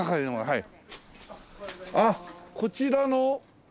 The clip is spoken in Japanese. はい。